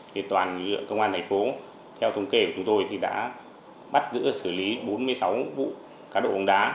thì toàn công an thành phố theo thống kể của chúng tôi thì đã bắt giữ xử lý bốn mươi sáu vụ cá độ bóng đá